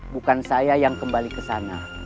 bukan saya yang kembali ke sana